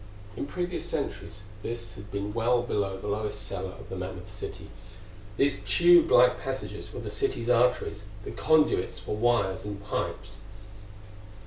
In previous centuries this had been well below the lowest cellar of the mammoth city; these tube like passages were the city's arteries, the conduits for wires and pipes.